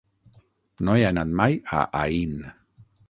No he anat mai a Aín.